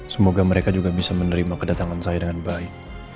semoga mereka juga bisa menerima kedatangan saya dengan baik